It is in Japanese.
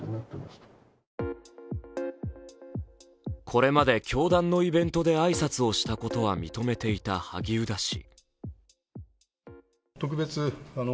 これまで教団のイベントで挨拶をしたことは認めていた萩生田氏。